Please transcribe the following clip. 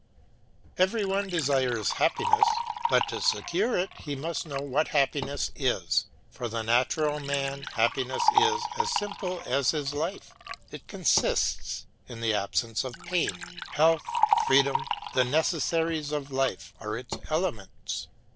Every one desires happiness, but to secure it he must know what happiness is. For the natural man happiness is as simple as his life; it consists in the absence of pain; health, freedom, the necessaries of life are its elements.